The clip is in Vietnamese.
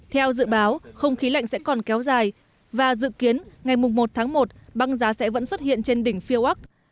theo dự báo không khí lạnh sẽ còn kéo dài và dự kiến ngày một một băng giá sẽ vẫn xuất hiện trên đỉnh phía úc